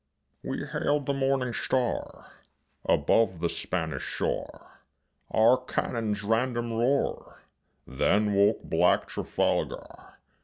We hailed the morning star Above the Spanish shore; Our cannon's random roar Then woke black Trafalgar.